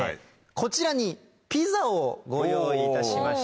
こちらにピザをご用意いたしました。